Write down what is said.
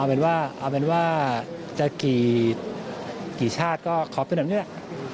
เอาเป็นว่าจะกี่ชาติก็ขอบไปแบบนี้นะ